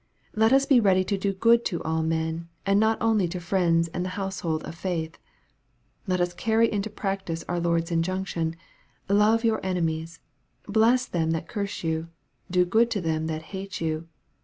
Let us be ready to do good to all men, and not only to friends and the household of faith. Let us carry into practice our Lord's injunction, " Love your enemies, bless them that curse you, do good to them that hate you."